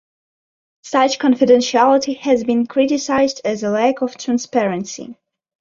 Such confidentiality has been criticized as a lack of transparency.